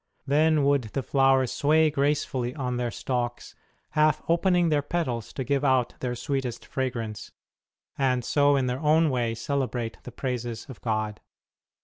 Then would the flowers sway gracefully on their stalks, half opening their petals to give out their sweetest fragrance, and so in their own way celebrate the praises of God.